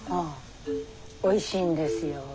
おいしいんですよ。